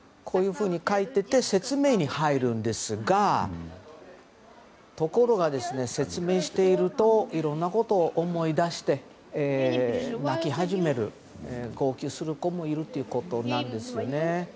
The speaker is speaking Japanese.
こういうふうに描いていて説明に入るんですがところが、説明しているといろんなことを思い出して泣き始める、号泣する子もいるということなんです。